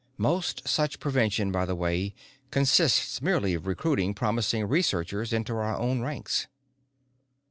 Most such prevention, by the way, consists merely of recruiting promising researchers into our own ranks."